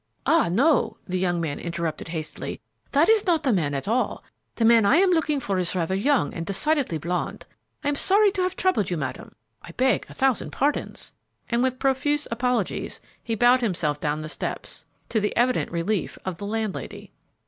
"Ah, no," the young man interrupted hastily, "that is not the man at all; the man I am looking for is rather young and a decided blond. I am sorry to have troubled you, madam; I beg a thousand pardons," and with profuse apologies he bowed himself down the steps, to the evident relief of the landlady.